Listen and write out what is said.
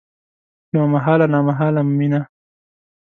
یوه محاله نامحاله میینه